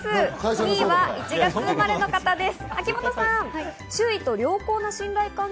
２位は１月生まれの方です、秋元さん。